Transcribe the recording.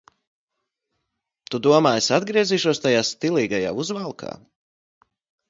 Tu domā, es atgriezīšos tajā stilīgajā uzvalkā?